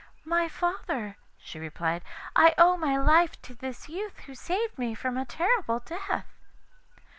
'My father,' she replied, 'I owe my life to this youth, who saved me from a terrible death.